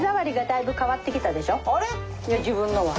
いや自分のも。